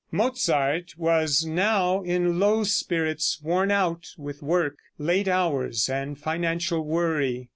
Mozart was now in low spirits, worn out with work, late hours and financial worry.